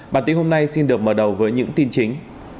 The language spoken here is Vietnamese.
bản tin hôm nay xin được mở đầu với những tin chính